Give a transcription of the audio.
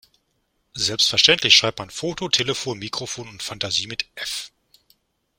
Selbstverständlich schreibt man Foto, Telefon, Mikrofon und Fantasie mit F.